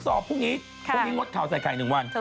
ขอบคุณแล้วบีบายตกกิน